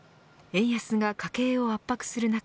円安が家計を圧迫する中